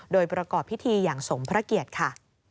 โดยประกอบพิธีอย่างสมพระเกียรติค่ะ